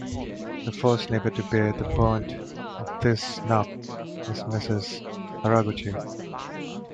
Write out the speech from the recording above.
The first neighbor to bear the brunt of this snub is Mrs Haraguchi.